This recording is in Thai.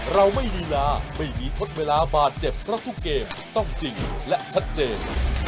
เราไม่มีเวลาไม่มีทดเวลาบาดเจ็บเพราะทุกเกมต้องจริงและชัดเจน